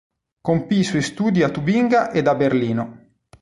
Compì i suoi studi a Tubinga ed a Berlino.